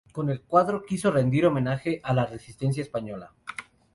Con el cuadro quiso rendir homenaje a la resistencia española.